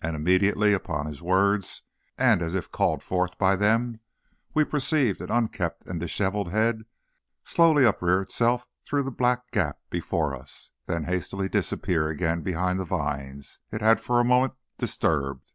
And immediately upon his words, and as if called forth by them, we perceived an unkempt and disheveled head slowly uprear itself through the black gap before us, then hastily disappear again behind the vines it had for a moment disturbed.